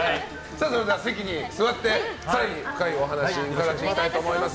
それでは席に座って更に深いお話伺っていきたいと思います。